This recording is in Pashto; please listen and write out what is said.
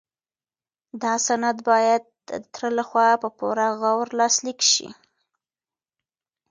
دا سند باید د تره لخوا په پوره غور لاسلیک شي.